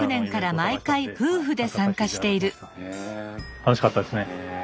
楽しかったですね。